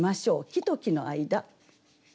「木と木の間」。